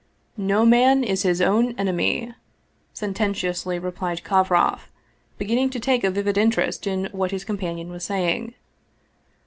" No man is his own enemy/' sententiously replied Kovroff, beginning to take a vivid interest in what his companion was saying.